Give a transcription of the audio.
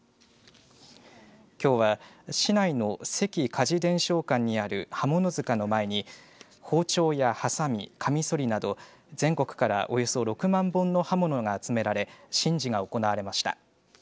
きょうは市内の関鍛冶伝承館にある刃物塚の前に、包丁やはさみかみそりなど全国からおよそ６万本の刃物が集められ神事が行われました。